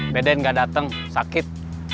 deden nggak dateng sakit